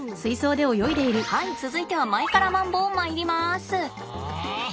はい続いては前からマンボウまいります！